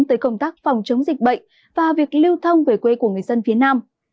tới công tác phòng chống dịch bệnh và việc lưu thông về quê của người dân phía nam